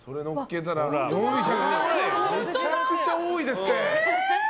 めちゃくちゃ多いですね。